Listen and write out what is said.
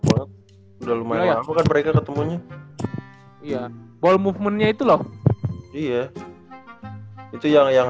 banget udah lumayan bukan mereka ketemunya iya ball movement nya itu loh iya itu yang yang